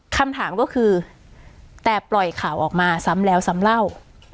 คำถามก็คือแต่ปล่อยข่าวออกมาซ้ำแล้วซ้ำเล่า